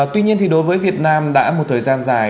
tuy nhiên thì đối với việt nam đã một thời gian dài